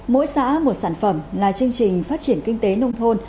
mỗi xã một sản phẩm là chương trình phát triển kinh tế nông thôn